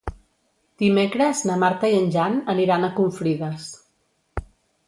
Dimecres na Marta i en Jan aniran a Confrides.